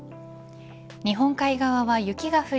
日本海側は雪が降り